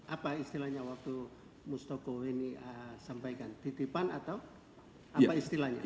apa istilahnya waktu mustoko weni sampaikan titipan atau apa istilahnya